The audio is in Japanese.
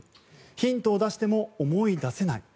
ヒントを出しても思い出せない。